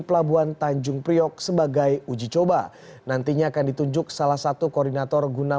pelabuhan tanjung priok sebagai uji coba nantinya akan ditunjuk salah satu koordinator guna